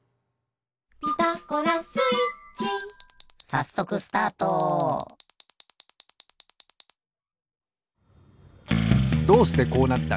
さっそくスタートどうしてこうなった？